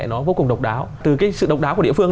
nó vô cùng độc đáo từ cái sự độc đáo của địa phương